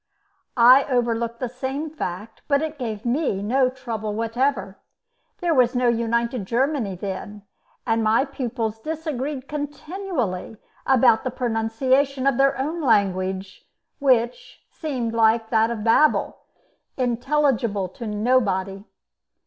I overlooked the same fact, but it gave me no trouble whatever. There was no united Germany then, and my pupils disagreed continually about the pronunciation of their own language, which seemed, like that of Babel, intelligible to nobody.